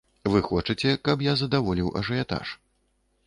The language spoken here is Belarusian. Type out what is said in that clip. Вы хочаце, каб я задаволіў ажыятаж.